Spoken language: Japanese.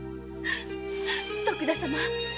徳田様